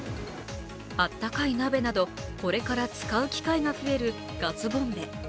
あったかい鍋など、これから使う機会が増えるガスボンベ。